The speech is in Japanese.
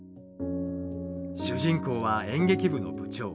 主人公は演劇部の部長。